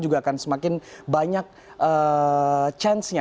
juga akan semakin banyak chance nya